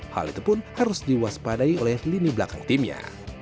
hal itu pun harus diwaspadai oleh lini belakang timnya